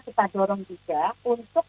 kita dorong juga untuk